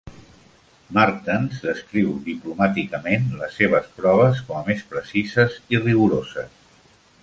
Martens descriu diplomàticament les seves proves com a més precises i rigoroses.